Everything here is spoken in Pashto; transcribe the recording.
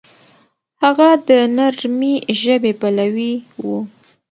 هغه د نرمې ژبې پلوی و.